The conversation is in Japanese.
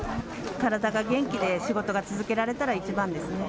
体が元気で仕事が続けられたらいちばんですね。